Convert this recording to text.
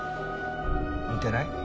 似てない？